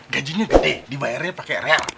gajinya gede dibayarnya pakai real